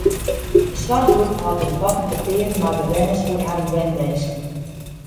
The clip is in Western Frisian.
De soarchgroep hâldt ynkoarten petearen mei bewenners oer harren wenwinsken.